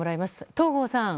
東郷さん